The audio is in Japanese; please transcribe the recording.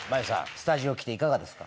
スタジオ来ていかがですか？